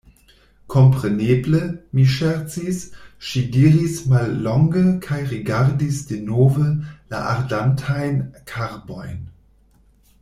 Kompreneble, mi ŝercis, ŝi diris mallonge kaj rigardis denove la ardantajn karbojn.